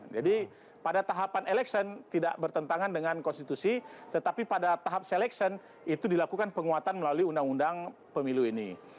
jadi pada tahapan eleksian tidak bertentangan dengan konstitusi tetapi pada tahap seleksian itu dilakukan penguatan melalui undang undang pemilu ini